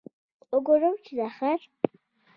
وګورم چې دا ښار.